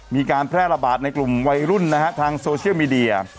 มีการแพร่ระบาดในกลุ่มวัยรุ่นนะฮะทางโซเชียลมีเดีย